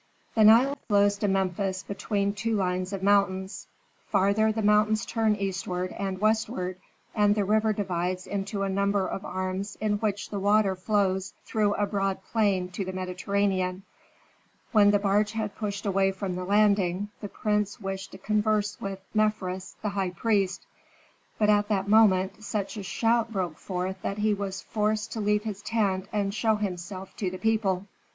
The Nile flows to Memphis between two lines of mountains. Farther the mountains turn eastward and westward, and the river divides into a number of arms in which the water flows through a broad plain to the Mediterranean. When the barge had pushed away from the landing, the prince wished to converse with Mefres, the high priest. But at that moment such a shout broke forth that he was forced to leave his tent and show himself to the people.